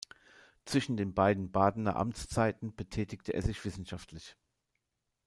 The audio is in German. Zwischen den beiden Badener Amtszeiten betätigte er sich wissenschaftlich.